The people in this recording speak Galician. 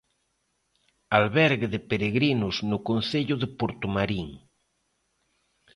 Albergue de peregrinos no concello de Portomarín.